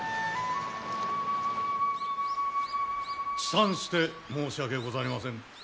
遅参して申し訳ございませぬ。